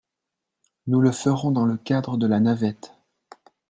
Nous le ferons dans le cadre de la navette.